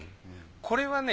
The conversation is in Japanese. これはね